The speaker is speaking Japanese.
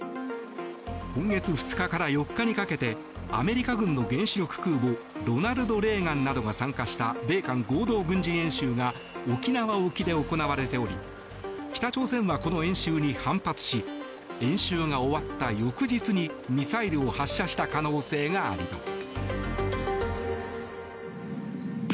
今月２日から４日にかけてアメリカ軍の原子力空母「ロナルド・レーガン」などが参加した米韓合同軍事演習が沖縄沖で行われており北朝鮮はこの演習に反発し演習が終わった翌日にミサイルを発射した可能性があります。